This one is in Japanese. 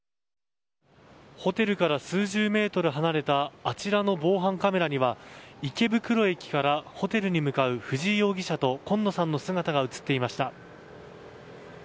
ホテルから数十メートル離れたあちらの防犯カメラには池袋駅からホテルに向かう藤井容疑者と今野さんの姿が映っていました。